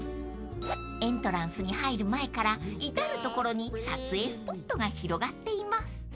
［エントランスに入る前から至る所に撮影スポットが広がっています］